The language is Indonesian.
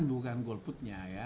bukan golputnya ya